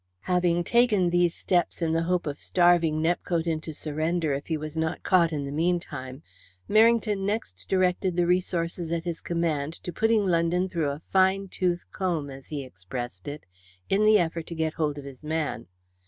Having taken these steps in the hope of starving Nepcote into surrender if he was not caught in the meantime, Merrington next directed the resources at his command to putting London through a fine tooth comb, as he expressed it, in the effort to get hold of his man.